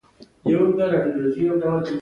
راکټ د خلایي الوتنو بنیاد ده